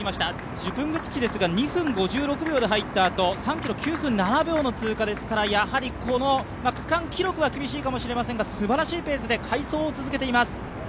ジェプングティチは２分５６秒で入ったあと、３ｋｍは９分７秒の通過ですから、この区間記録は厳しいかもしれませんが、すばらしいペースで快走を続けています。